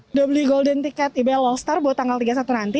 sudah beli tiket gold ibl all star buat tanggal tiga puluh satu nanti